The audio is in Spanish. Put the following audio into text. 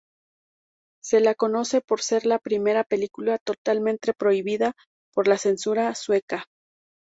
Se la conoce por ser la primera película totalmente prohibida por la censura sueca.